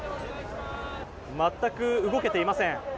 全く動けていません。